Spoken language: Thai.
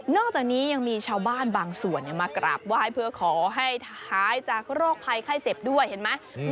อกจากนี้ยังมีชาวบ้านบางส่วนมากราบไหว้เพื่อขอให้หายจากโรคภัยไข้เจ็บด้วยเห็นไหม